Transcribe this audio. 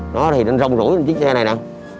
nó thì anh rong rủi lên chiếc xe này nè